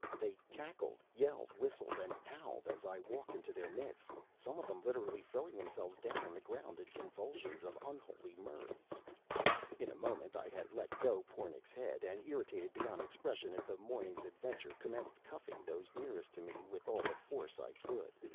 They cackled, yelled, whistled, and howled as I walked into their midst; some of them literally throwing themselves down on the ground in convulsions of unholy mirth. In a moment I had let go Pornic's head, and, irritated beyond expression at the morning's adventure, commenced cuffing those nearest to me with all the force I could.